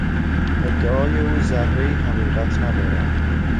ادعای او ذرهای حقیقت ندارد.